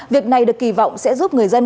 việc này được kỳ vọng sẽ giúp người dân